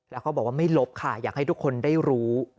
แล้วเขาบอกว่าไม่ลบค่ะอยากให้ทุกคนได้รู้